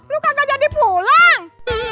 lu kagak jadi pulang